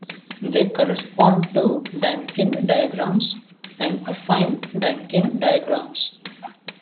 They correspond to Dynkin diagrams and affine Dynkin diagrams.